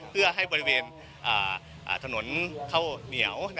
เพื่อให้บริเวณถนนข้าวเหนียว